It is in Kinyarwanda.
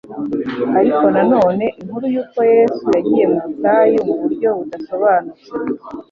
Ariko na none inkuru yuko Yesu yagiye mu butayu mu buryo budasobanutse